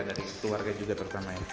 dari suatu warga juga pertama ya